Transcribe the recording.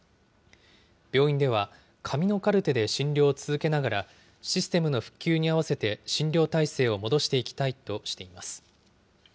病院では、紙のカルテで診療を続けながら、システムの復旧に合わせて診療態勢を戻していきたいとしています。